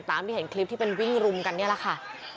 ที่เห็นคลิปที่เป็นวิ่งรุมกันนี่แหละค่ะ